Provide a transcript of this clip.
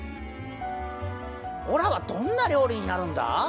オラはどんな料理になるんだ？